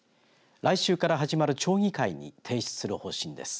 来週から始まる町議会に提出する方針です。